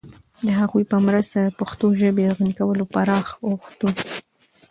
د هغوی په مرسته د پښتو ژبې د غني کولو پراخ اوښتون